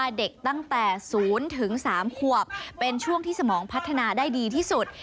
เด็กตั้งแต่๐๓ขวบเป็นช่วงที่สมองพัฒนาได้ดีที่สุด